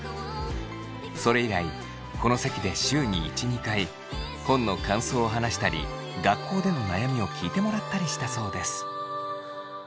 それ以来この席で週に１２回本の感想を話したり学校での悩みを聞いてもらったりしたそうです。